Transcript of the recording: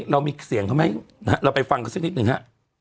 เรามีเสียงเขาไหมนะฮะเราไปฟังกันสักนิดหนึ่งฮะ